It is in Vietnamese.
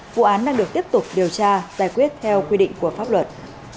vụ án đang được tiếp tục điều tra giải quyết theo quy định của pháp luật